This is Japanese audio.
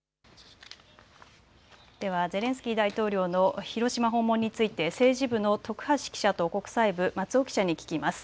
ではゼレンスキー大統領の広島訪問について政治部の徳橋記者と国際部、松尾記者に聞きます。